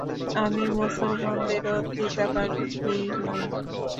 আমি মুসলমানদেরও হিতাকাঙ্ক্ষী নই।